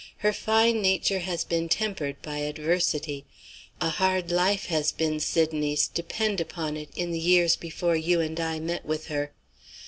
Her fine nature has been tempered by adversity. A hard life has been Sydney's, depend upon it, in the years before you and I met with her.